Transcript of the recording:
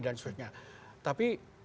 dan sebagainya tapi